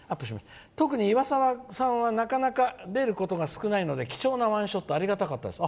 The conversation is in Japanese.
「特に岩沢さんはなかなか出ることが少ないので貴重なワンショットありがとうございました」。